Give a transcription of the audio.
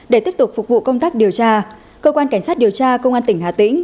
để tiếp tục phục vụ công tác điều tra cơ quan cảnh sát điều tra công an tỉnh hà tĩnh